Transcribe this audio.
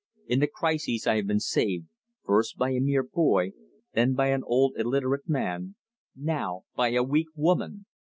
In the crises I have been saved, first by a mere boy; then by an old illiterate man; now by a weak woman!"